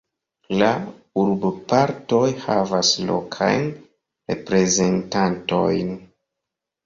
La urbopartoj havas lokajn reprezentantojn.